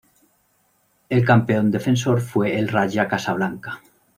El campeón defensor fue el Raja Casablanca.